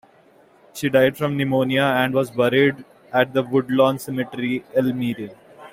He died from pneumonia, and was buried at the Woodlawn Cemetery, Elmira.